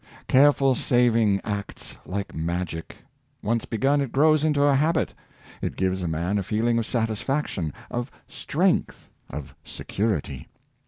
Careful saving acts like magic; once begun, it grows into a habit. It gives a man a feeling of satisfaction, of strength, of security.